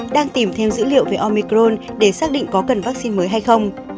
đang tìm thêm dữ liệu về omicron để xác định có cần vaccine mới hay không